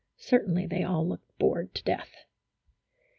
Cer tainly they all looked bored to death.